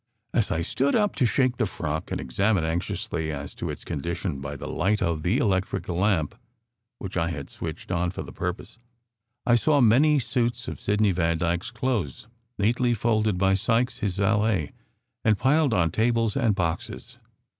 As I stood up to shake the frock, and examine anxiously as to its condition by the light of the electric lamp, which I had switched on for the purpose, I saw many suits of Sidney Vandyke s clothes neatly folded by Sykes, his valet, and piled on tables and boxes.